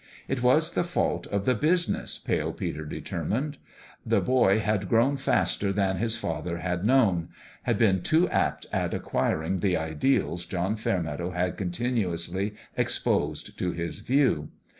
It was the fault of the business, Pale Peter determined. The boy had grown faster than his father had known had been too apt at acquiring the ideals John Fairmeadow had continuously exposed to his view.